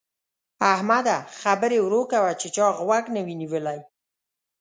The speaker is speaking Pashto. احمده! خبرې ورو کوه چې چا غوږ نه وي نيولی.